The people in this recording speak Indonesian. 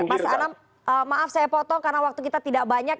mas anam maaf saya potong karena waktu kita tidak banyak